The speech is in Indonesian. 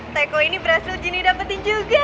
tegok ini berhasil gini dapetin juga